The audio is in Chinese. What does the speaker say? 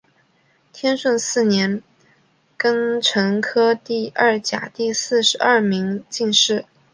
天顺四年庚辰科第二甲第四十二名进士。